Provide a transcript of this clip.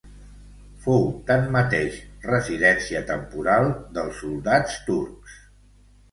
Fou tanmateix residència temporal dels soldans turcs.